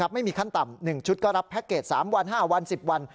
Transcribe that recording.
ไม่มีขั้นต่ำ๑ชุดก็รับแพ็คเกจ๓วัน๕วัน๑๐วัน